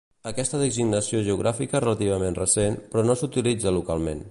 Aquesta designació geogràfica relativament recent, però no s'utilitza localment.